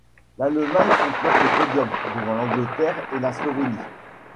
L'Allemagne complète le podium, devant l'Angleterre et la Slovénie.